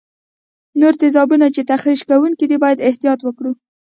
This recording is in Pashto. نور تیزابونه چې تخریش کوونکي دي باید احتیاط وکړو.